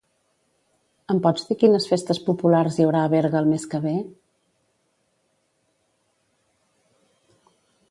Em pots dir quines festes populars hi haurà a Berga el mes que ve?